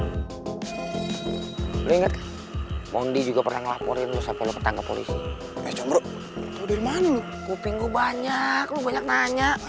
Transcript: jangan lupa like share dan subscribe ya